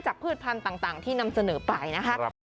จากพืชพันธ์ต่างที่นำเสนอไปนะครับ